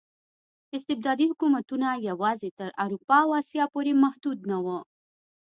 استبدادي حکومتونه یوازې تر اروپا او اسیا پورې محدود نه وو.